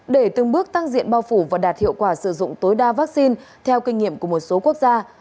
để từng bước tăng diện bao phủ và đạt hiệu quả sử dụng tối đa vaccine theo kinh nghiệm của một số quốc gia